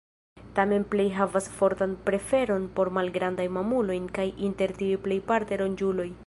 Tamen plej havas fortan preferon por malgrandaj mamuloj kaj inter tiuj plejparte ronĝuloj.